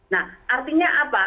nah artinya apa